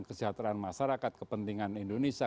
kesejahteraan masyarakat kepentingan indonesia